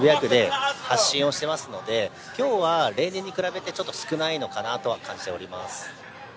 渋谷区で発信していますので今日は、例年に比べて少ないと感じております。